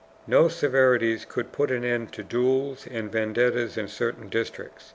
No severities could put an end to duels and vendettas in certain districts.